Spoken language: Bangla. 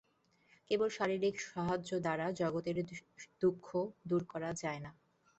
কেবল শারীরিক সাহায্য দ্বারা জগতের দুঃখ দূর করা যায় না।